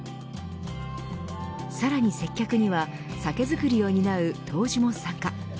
さらに接客には酒造りを担う杜氏も参加。